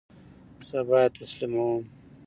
سبا یی تسلیموم